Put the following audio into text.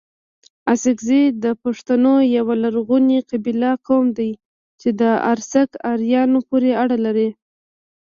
اڅکزي دپښتونو يٶه لرغوني قبيله، قوم دئ چي د ارڅک اريانو پوري اړه لري